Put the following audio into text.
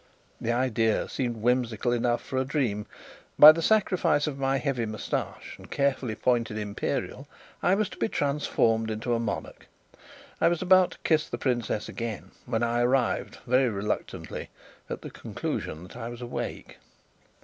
The idea seemed whimsical enough for a dream: by the sacrifice of my heavy moustache and carefully pointed imperial, I was to be transformed into a monarch! I was about to kiss the princess again, when I arrived (very reluctantly) at the conclusion that I was awake.